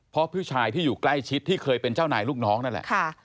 เพราะผู้ชายที่อยู่ใกล้ชิดที่เคยเป็นเจ้านายลูกน้องนั่นแหละ